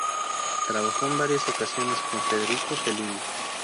Trabajó en varias ocasiones con Federico Fellini.